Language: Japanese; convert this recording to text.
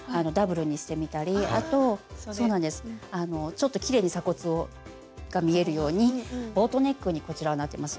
ちょっときれいに鎖骨が見えるようにボートネックにこちらはなってます。